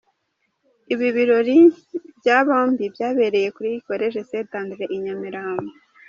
Ibi birori byaa bombibyabereye ku college St Andre i Nyamirambo.